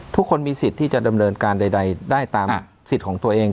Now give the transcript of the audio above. ทุกคนมีสิทธิ์ที่จะดำเนินการใดได้ตามสิทธิ์ของตัวเอง